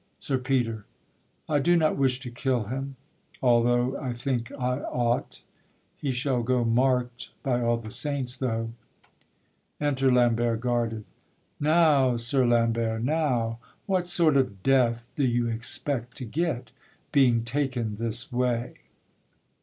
_ SIR PETER. I do not wish to kill him, Although I think I ought; he shall go mark'd, By all the saints, though! Enter Lambert guarded. Now, Sir Lambert, now! What sort of death do you expect to get, Being taken this way?